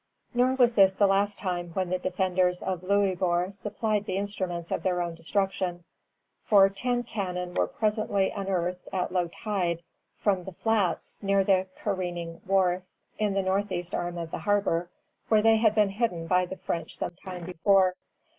Nor was this the last time when the defenders of Louisbourg supplied the instruments of their own destruction; for ten cannon were presently unearthed at low tide from the flats near the careening wharf in the northeast arm of the harbor, where they had been hidden by the French some time before.